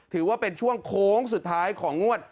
ถือว่าเป็นช่วงโค้งสุดท้ายของงวด